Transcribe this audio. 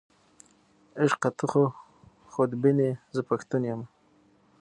عشقه ته خودبین یې، زه پښتون یمه.